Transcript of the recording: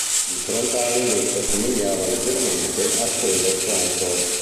Il frontale invece assomigliava leggermente a quello Concord.